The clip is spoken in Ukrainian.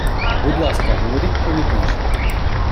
Будь ласка, говоріть повільніше.